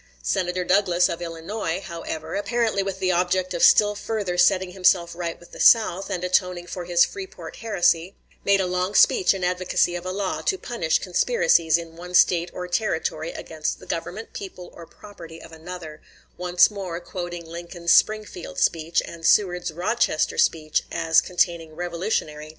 Senator Douglas, of Illinois, however, apparently with the object of still further setting himself right with the South, and atoning for his Freeport heresy, made a long speech in advocacy of a law to punish conspiracies in one State or Territory against the government, people, or property of another; once more quoting Lincoln's Springfield speech, and Seward's Rochester speech as containing revolutionary doctrines.